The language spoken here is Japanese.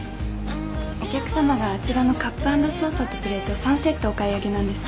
お客様があちらのカップアンドソーサーとプレート３セットお買い上げなんですけど。